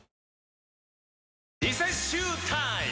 リセッシュータイム！